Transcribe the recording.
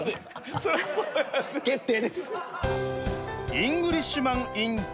決定です。